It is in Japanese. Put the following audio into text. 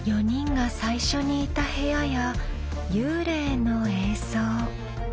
４人が最初にいた部屋や幽霊の映像。